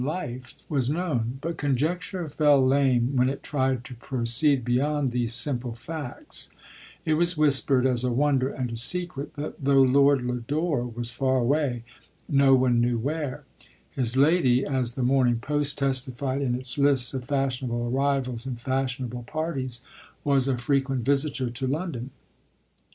life, was known ; but conjecture fell lame when it tried to proceed beyond these simple facts: it was whispered, as a wonder and a secret, that though Lord Lodore was far away, no one knew where, his lady (as the Morning Post testified in its lists of fashionable arrivals and fashionable parties) was a frequent visitor to London.